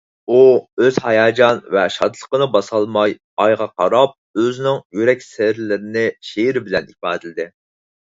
ئۇ ئۆز ھاياجان ۋە شادلىقىنى باسالماي، ئايغا قاراپ ئۆزىنىڭ يۈرەك سىرلىرىنى شېئىر بىلەن ئىپادىلىدى.